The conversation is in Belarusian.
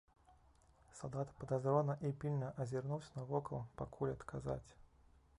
Салдат падазрона і пільна азірнуўся навокал, пакуль адказаць.